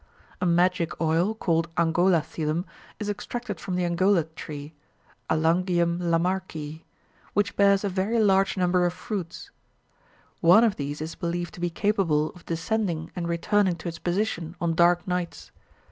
A magic oil, called angola thilum, is extracted from the angola tree (Alangium Lamarckii), which bears a very large number of fruits. One of these is believed to be capable of descending and returning to its position on dark nights.